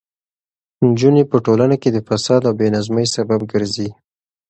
نجونې په ټولنه کې د فساد او بې نظمۍ سبب ګرځي.